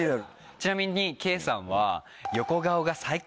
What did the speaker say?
ちなみに圭さんは。